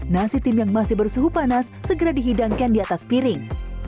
nasi tim yang masih bersuhu panas segera dihidangkan di atas piring